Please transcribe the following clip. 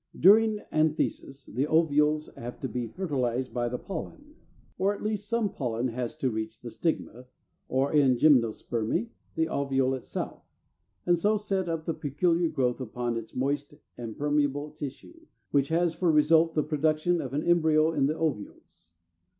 During anthesis, the ovules have to be fertilized by the pollen; or at least some pollen has to reach the stigma, or in gymnospermy the ovule itself, and to set up the peculiar growth upon its moist and permeable tissue, which has for result the production of an embryo in the ovules.